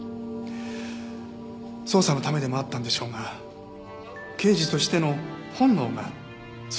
捜査のためでもあったんでしょうが刑事としての本能がそうさせたんでしょう。